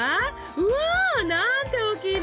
うわっなんて大きいの！